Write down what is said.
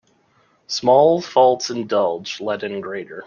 Small faults indulged let in greater.